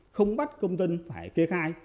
không bắt công dân phải kê khai